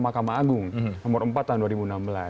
mahkamah agung nomor empat tahun dua ribu enam belas